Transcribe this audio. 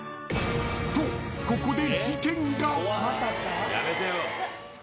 ［とここで］